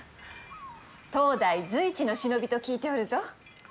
当代随一の忍びと聞いておるぞ。